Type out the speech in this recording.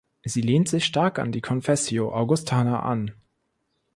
Sie lehnt sich stark an die Confessio Augustana an.